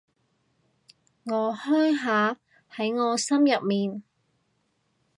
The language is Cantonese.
我鄉下喺我心入面